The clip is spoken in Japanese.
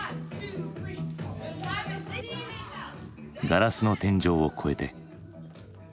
ガラスの天井を越えて。